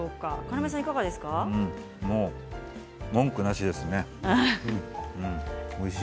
文句なしですね。